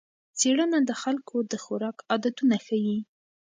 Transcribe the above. څېړنه د خلکو د خوراک عادتونه ښيي.